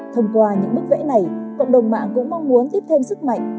thông qua những bức vẽ này cộng đồng mạng cũng mong muốn tiếp thêm sức mạnh